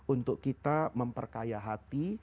untuk kita memperkaya hati